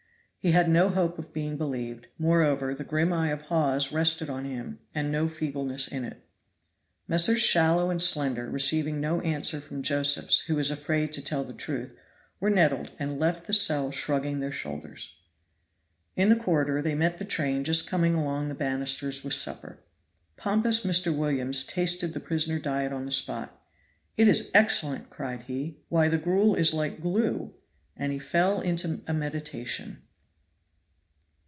He had no hope of being believed; moreover, the grim eye of Hawes rested on him, and no feebleness in it. Messrs. Shallow and Slender, receiving no answer from Josephs, who was afraid to tell the truth, were nettled, and left the cell shrugging their shoulders. In the corridor they met the train just coming along the banisters with supper. Pompous Mr. Williams tasted the prison diet on the spot. "It is excellent," cried he; "why the gruel is like glue." And he fell into a meditation.